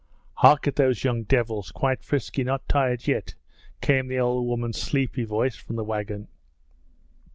'Hark at those young devils! Quite frisky! Not tired yet!' came the old woman's sleepy voice from the wagon.